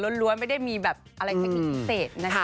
แต่ล้วนไม่ได้มีแบบอะไรเศษนั้น